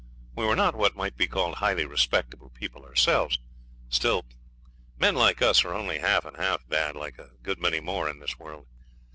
We were not what might be called highly respectable people ourselves still, men like us are only half and half bad, like a good many more in this world.